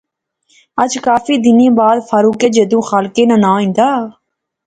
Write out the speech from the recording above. اج کافی دنیں بعد فاروقیں جدوں خالقے ناں ناں ہندا